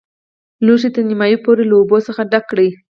لوښی تر نیمايي پورې له اوبو څخه ډک کړئ.